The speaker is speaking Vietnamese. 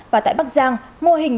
và tại bắc giang mô hình